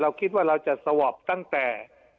คิดว่าเราจะสวอปตั้งแต่